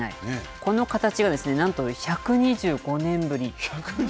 この形はなんと１２５年ぶり。